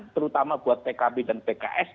terutama buat pkb dan pks